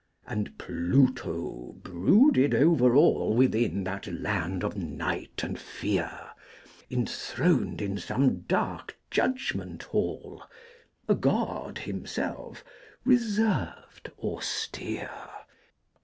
And Pluto brooded over all Within that land of night and fear, Enthroned in some dark Judgment Hall, A god himself, reserved, austere.